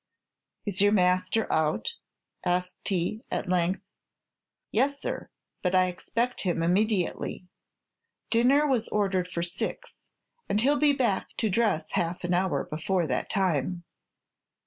"Is your master out?" asked he, at length. "Yes, sir; but I expect him immediately. Dinner was ordered for six, and he 'll be back to dress half an hour before that time."